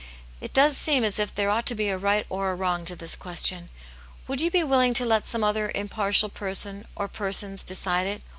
It does seem as if there ought to be a right or a wrong to this ques tion. Would you be willing to let some other im partial person, or persons, decide it?